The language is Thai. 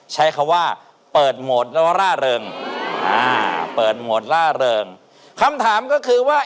ใช้คำว่าเปิดโหมดแล้วว่าร่าเริงอ่าเปิดโหมดล่าเริงคำถามก็คือว่า